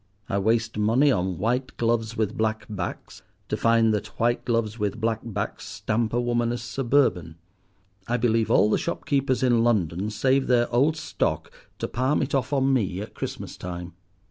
I waste money on white gloves with black backs, to find that white gloves with black backs stamp a woman as suburban. I believe all the shop keepers in London save their old stock to palm it off on me at Christmas time.